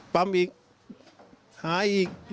ปั๊มอีกหายอีก